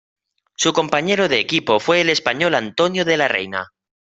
Su compañero de equipo fue el español Antonio de la Reina.